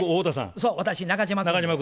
そう私中島君。